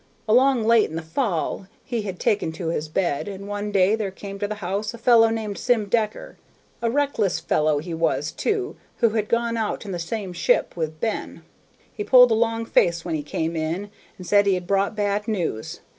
Along late in the fall he had taken to his bed, and one day there came to the house a fellow named Sim Decker, a reckless fellow he was too, who had gone out in the same ship with Ben. He pulled a long face when he came in, and said he had brought bad news.